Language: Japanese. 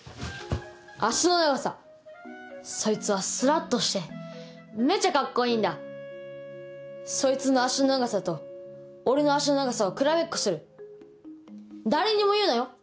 足の長さそいつはスラっとしてめちゃカッコいそいつの足の長さと俺の足の長さを比べっ誰にも言うなよ！